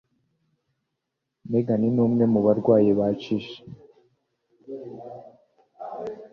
Megan numwe mubarwanyi ba chic.